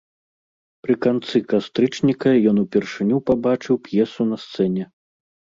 Пры канцы кастрычніка ён упершыню пабачыў п'есу на сцэне.